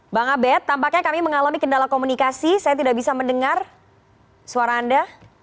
bang abed tampaknya kami mengalami kendala komunikasi saya tidak bisa mendengar suara anda